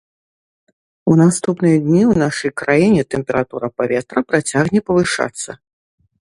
У наступныя дні ў нашай краіне тэмпература паветра працягне павышацца.